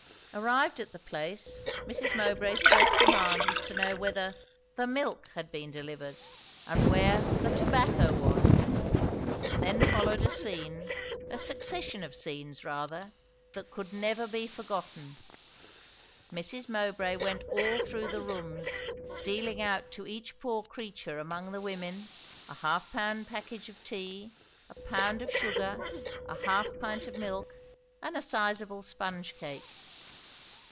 Arrived at the place, Mrs. Mowbray's first demand was to know whether "the milk" had been delivered, and where "the tobacco" was. Then followed a scene, a succession of scenes rather, that could never be forgotten. Mrs. Mowbray went all through the rooms, dealing out to each poor creature among the women a half pound package of tea, a pound of sugar, a half pint of milk, and a sizeable sponge cake.